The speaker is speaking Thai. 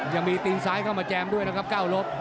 ยังมีตีนซ้ายเข้ามาแจมด้วยนะครับก้าวรถ